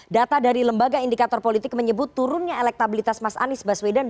data dari lembaga indikator politik menyebut turunnya elektabilitas mas anies baswedan